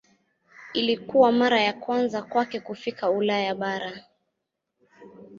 Ilikuwa mara ya kwanza kwake kufika Ulaya bara.